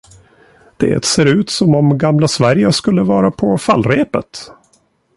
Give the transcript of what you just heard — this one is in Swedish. Det ser ut som om gamla Sverige skulle vara på fallrepet!